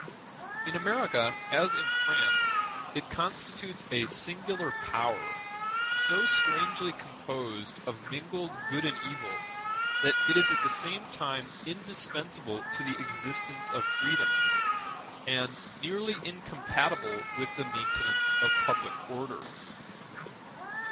In America, as in France, it constitutes a singular power, so strangely composed of mingled good and evil that it is at the same time indispensable to the existence of freedom, and nearly incompatible with the maintenance of public order.